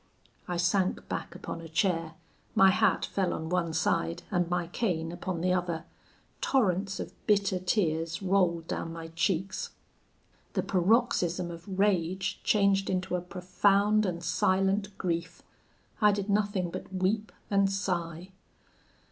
I sank back upon a chair; my hat fell on one side, and my cane upon the other: torrents of bitter tears rolled down my cheeks. The paroxysm of rage changed into a profound and silent grief: I did nothing but weep and sigh.